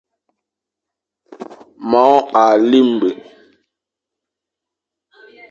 Mor à limbe.